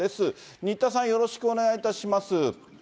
にったさん、よろしくお願いいたします。